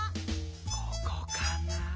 ここかな？